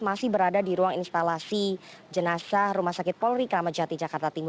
masih berada di ruang instalasi jenazah rumah sakit polri kramat jati jakarta timur